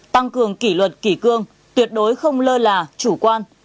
tăng cường kỷ luật kỷ cương tuyệt đối không lơ là chủ quan